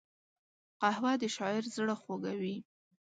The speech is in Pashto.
قهوه د شاعر زړه خوږوي